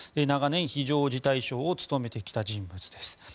長年、非常事態相を務めてきた人物です。